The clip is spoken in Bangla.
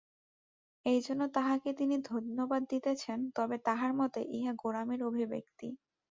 এইজন্য তাঁহাকে তিনি ধন্যবাদ দিতেছেন, তবে তাঁহার মতে, ইহা গোঁড়ামির অভিব্যক্তি।